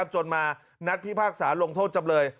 จนมานัดพิพากษาลงโทษจำเลย